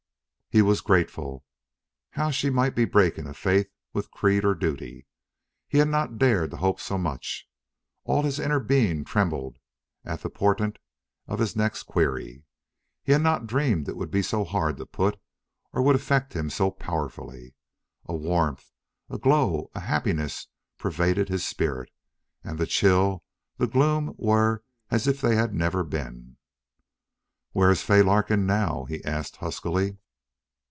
He was grateful. How she might be breaking faith with creed or duty! He had not dared to hope so much. All his inner being trembled at the portent of his next query. He had not dreamed it would be so hard to put, or would affect him so powerfully. A warmth, a glow, a happiness pervaded his spirit; and the chill, the gloom were as if they had never been. "Where is Fay Larkin now?" he asked, huskily.